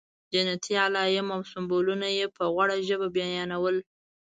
جنتي علایم او سمبولونه یې په غوړه ژبه بیانول.